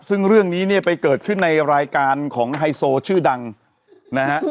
ซึ่งเรื่องนี้เนี่ยไปเกิดขึ้นในรายการของไฮโซชื่อดังนะฮะ